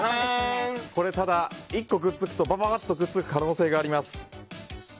ただ、１個くっつくとパパっとくっつく可能性があります。